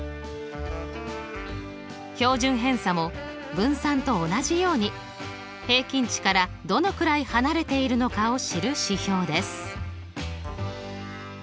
標準偏差も分散と同じように平均値からどのくらい離れているのかを知る指標です。